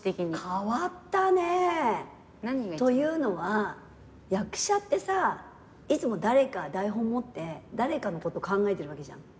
変わったね。というのは役者ってさいつも台本持って誰かのこと考えてるわけじゃん。